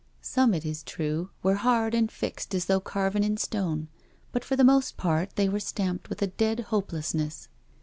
Some, it is true, were hard and fixed as though carven in stone, but for the most part they were stamped with a dead hopelessness.